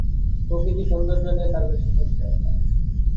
প্রকৃতির সৌন্দর্য নিয়ে তার বেশিক্ষণ চলে না।